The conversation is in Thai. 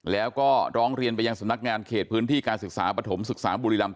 แล้วก็ร้องเรียนไปยังสำนักงานเขตพื้นที่การศึกษาปฐมศึกษาบุรีรำ